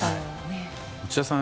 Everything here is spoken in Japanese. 内田さん。